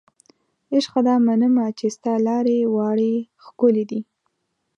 عشقه دا منمه چې ستا لارې واړې ښکلې دي